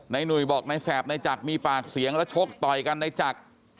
นายหนุ่ยบอกนายแสบนายจักรมีปากเสียงและชกต่อยกันนายจักร